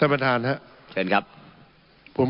ประธานครับเชิญครับ